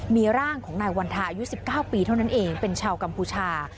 มีร่างของนายวันทาอายุ๑๙ปีเท่านั้นเองเป็นชาวกัมพูชา